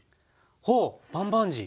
ほうバンバンジー。